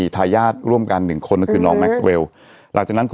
ทายญาติร่วมกันหนึ่งคน